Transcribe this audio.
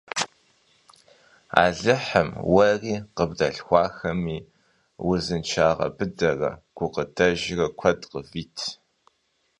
Alıhım vueri kıbdalxuaxemi vuzınşşage bıdere gukıdejjre kuedu kıvit!